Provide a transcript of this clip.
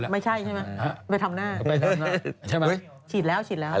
ไม่ใช่ใช่ไหม